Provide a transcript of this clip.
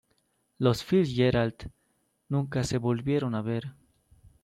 Los Fitzgerald nunca se volvieron a ver.